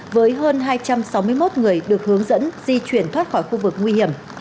với hơn hai trăm sáu mươi một người được hướng dẫn di chuyển thoát khỏi khu vực nguy hiểm